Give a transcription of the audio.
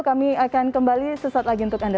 kami akan kembali sesaat lagi untuk anda